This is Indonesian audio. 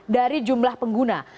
dari jumlah pengguna